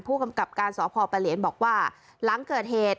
ผู้กำกับการสพลบอกว่าหลังเกิดเหตุ